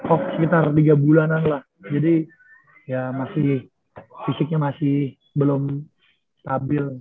oh sekitar tiga bulanan lah jadi ya masih fisiknya masih belum stabil